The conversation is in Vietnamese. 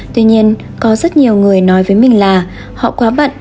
tuy nhiên có rất nhiều người nói với mình là họ quá bận